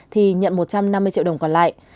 thì nhận một trăm năm mươi triệu đồng còn lại